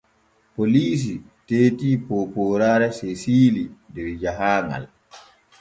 Poliisi teeti poopooraare Sesiili der jahaaŋal.